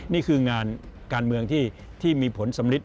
นี่คืองานการเมืองที่มีผลสำลิด